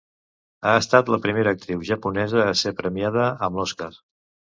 Ha estat la primera actriu japonesa a ser premiada amb l'Oscar.